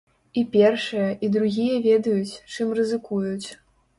І першыя, і другія ведаюць, чым рызыкуюць.